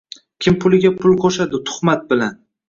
Kim puliga pul qoʼshadi tuhmat bilan.